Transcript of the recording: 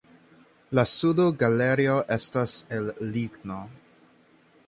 La suda galerio estas el ligno.